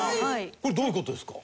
これどういう事ですか？